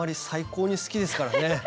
最高に好きですからね。